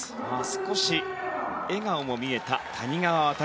少し笑顔も見えた谷川航。